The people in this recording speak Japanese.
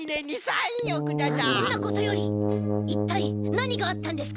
そんなことよりいったいなにがあったんですか？